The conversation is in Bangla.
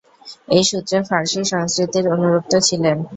এই সূত্রে ফারসী সংস্কৃতির অনুরক্ত ছিলেন।